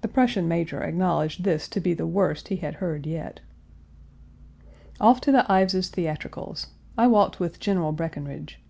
The Prussian major acknowledged this to be the worst he had heard yet. Off to the Ives's theatricals. I walked with General Breckinridge.